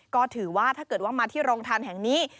ก็ถือว่าถ้าเกิดว่ามาที่โรงทานแห่งนี้